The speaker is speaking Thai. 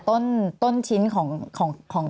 ต้นชิ้นของ